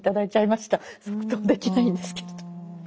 即答できないんですけれど。